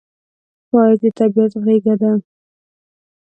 ښایست د طبیعت غېږه ده